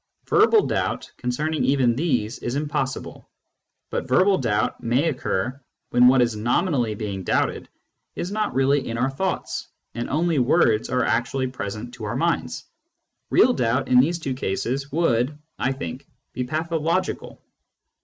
Verbal doubt concerning even these is possible, but verbal doubt may occur when what is nominally being doubted is not really in our thoughts, and only words are actually present to our minds. Real doubt, in these two cases, would, I think, be pathological.